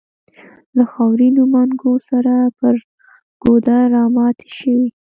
له خاورينو منګو سره پر ګودر راماتې شوې.